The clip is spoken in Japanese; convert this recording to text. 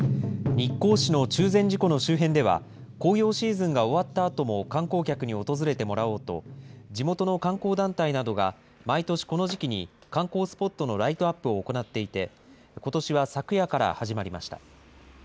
日光市の中禅寺湖の周辺では、紅葉シーズンが終わったあとも観光客に訪れてもらおうと、地元の観光団体などが毎年この時期に観光スポットのライトアップを行っていて、ことしは昨夜から始まりました。